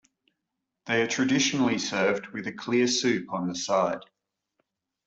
They are traditionally served with a clear soup on the side.